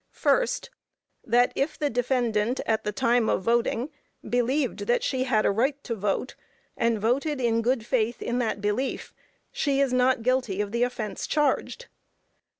First That if the defendant, at the time of voting, believed that she had a right to vote, and voted in good faith in that belief, she is not guilty of the offence charged.